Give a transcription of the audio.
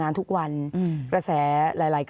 ขอบคุณครับ